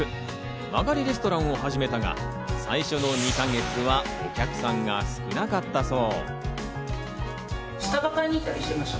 間借りレストランを始めたが、最初の２か月はお客さんが少なかったそう。